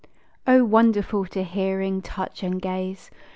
O wonderful to hearing, touch, and gaze!